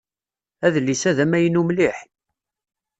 Adlis-a d amaynu mliḥ.